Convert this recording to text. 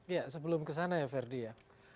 ya sebelum ke sana ya ferdy ya